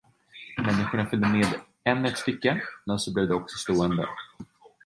Människorna följde med än ett stycke, men så blev också de stående.